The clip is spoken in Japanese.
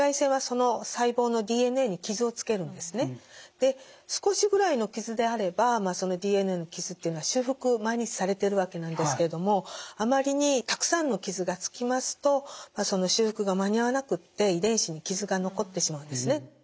で少しぐらいの傷であればＤＮＡの傷っていうのは修復毎日されてるわけなんですけれどもあまりにたくさんの傷がつきますとその修復が間に合わなくって遺伝子に傷が残ってしまうんですね。